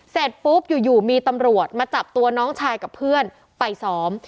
เสร็จปุ๊บอยู่มีตำรวจมาจับตัวน้องชายกับเพื่อนไปซ้อม